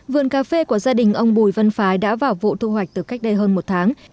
vườn cà phê của gia đình ông bùi văn phái đã vào vụ thu hoạch từ cách đây hơn một tháng